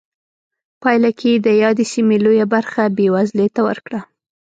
پایله کې یې د یادې سیمې لویه برخه بېوزلۍ ته ورکړه.